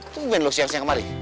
tungguin lu siap siap kemari